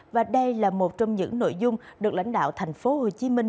và đây là một trong những nội dung được lãnh đạo thành phố hồ chí minh